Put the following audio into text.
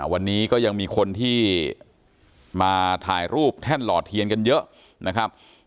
วันนี้ก็ยังมีคนที่มาถ่ายรูปแท่นหล่อเทียนกันเยอะนะครับ